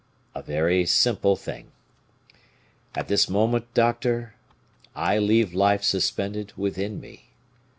"A very simple thing. At this moment, doctor, I leave life suspended within me.